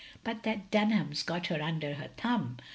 But that Dimham 's got her imder her thumb.